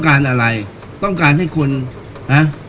การสำรรค์ของเจ้าชอบใช่